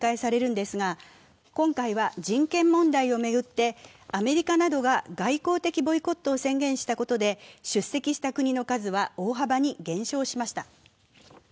人権問題を巡ってアメリカなどが外交的ボイコットを表明したことで出席した国の数は大幅に減少しました。